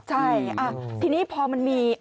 ใช่ทีนี้พอมันมี